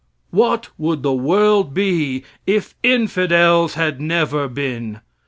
What would the world be if infidels had never been?